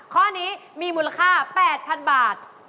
ข้อนี้มีมูลค่า๘๐๐๐บาท